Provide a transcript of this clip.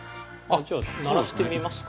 じゃあ鳴らしてみますか。